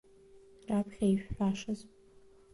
Раԥхьа ишәҳәашаз…